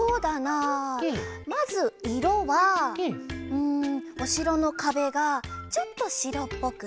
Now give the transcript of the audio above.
うんおしろのかべがちょっとしろっぽくて。